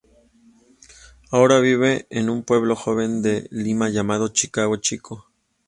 Ahora vive en un pueblo joven de Lima llamado Chicago Chico.